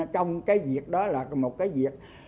trong cái việc đó là một cái việc